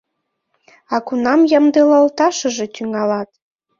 А кунам ямдылалташыже тӱҥалат?